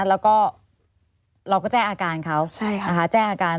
แล้วก็เราก็แจ้งอาการเขาแจ้งอาการ